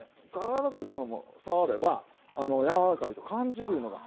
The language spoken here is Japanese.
柔らかいものを触れば柔らかいと感じるいうのが。